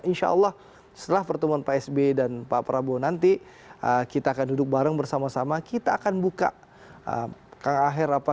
insya allah setelah pertemuan pak sb dan pak prabowo nanti kita akan duduk bareng bersama sama kita akan buka kang aher